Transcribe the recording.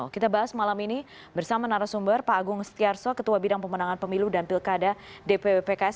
kita bahas malam ini bersama narasumber pak agung setiarso ketua bidang pemenangan pemilu dan pilkada dpw pks